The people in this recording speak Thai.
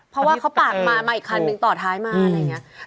เพราะว่าเขาปาดมามาอีกคันนึงต่อท้ายมาอะไรอย่างนี้